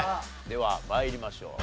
では参りましょう。